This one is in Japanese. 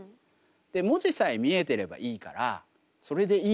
で文字さえ見えてればいいからそれでいい。